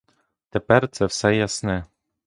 Тепер це все ясне.